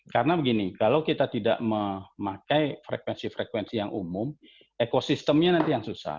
karena begini kalau kita tidak memakai frekuensi frekuensi yang umum ekosistemnya nanti yang susah